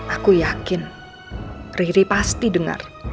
aku yakin riri pasti dengar